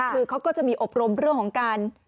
คือเขาก็จะมีอบรมเรื่องของการ